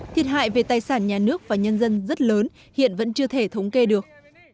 thiệt hại về tài sản nhà nước và nhân dân rất lớn hiện vẫn chưa thể thống kê được